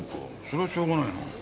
そりゃしょうがないな。